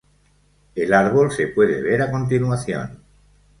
El árbol se puede ver a continuación.